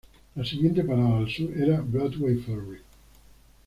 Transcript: La siguiente parada al sur era Broadway Ferry.